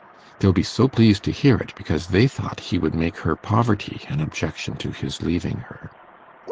They'll be so pleased to hear it, because they thought he would make her poverty an objection to his leaving her.